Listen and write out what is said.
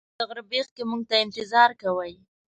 هلته به د غره بیخ کې موږ ته انتظار کوئ.